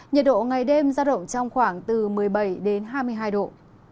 nhiệt độ ngày đêm ra động trong khoảng một mươi bảy hai mươi hai độ